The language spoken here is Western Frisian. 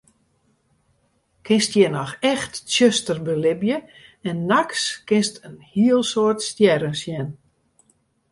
Kinst hjir noch echt tsjuster belibje en nachts kinst in hiel soad stjerren sjen.